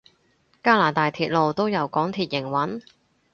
加拿大鐵路都由港鐵營運？